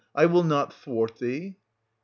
I will not thwart thee... Oe.